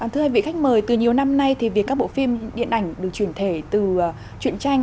thưa quý vị khách mời từ nhiều năm nay thì việc các bộ phim điện ảnh được truyền thể từ truyện tranh